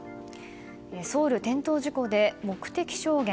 ソウル転倒事故で目撃証言